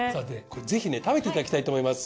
ぜひね食べていただきたいと思います。